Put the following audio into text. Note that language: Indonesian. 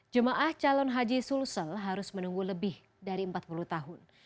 jemaah calon haji sulsel harus menunggu lebih dari empat puluh tahun